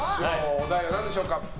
お題は何でしょうか？